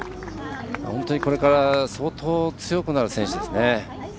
本当に、これから相当強くなる選手ですね。